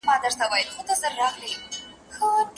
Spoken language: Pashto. ښايي استاد خپله څېړنه ژر پای ته ورسوي.